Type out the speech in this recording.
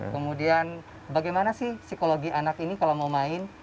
kemudian bagaimana sih psikologi anak ini kalau mau main